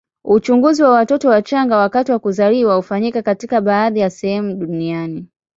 Uchunguzi wa watoto wachanga wakati wa kuzaliwa hufanyika katika baadhi ya sehemu duniani.